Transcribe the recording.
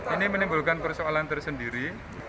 ini menimbulkan persoalan tersendiri